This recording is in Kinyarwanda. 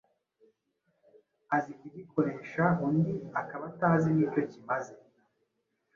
azi kugikoresha undi akaba atazi n’icyo kimaze